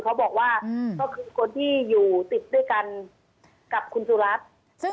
เขาบอกว่าก็คือคนที่อยู่ติดด้วยกันกับคุณสุรัตน์